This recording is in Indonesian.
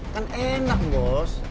kan enak bos